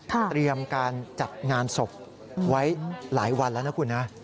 เตรียมการจัดงานศพไว้หลายวันแล้วนะคุณนะ